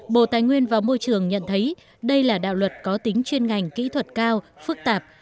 bộ tài nguyên và môi trường nhận thấy đây là đạo luật có tính chuyên ngành kỹ thuật cao phức tạp